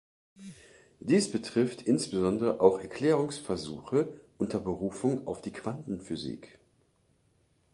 Dies betrifft insbesondere auch Erklärungsversuche unter Berufung auf die Quantenphysik.